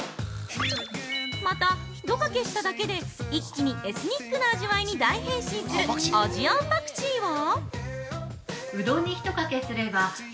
また、ひとかけしただけで、一気にエスニックな味わいに大変身する「アジアンパクチー」は◆